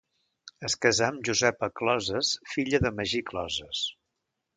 Es casà amb Josepa Closes, filla de Magí Closes.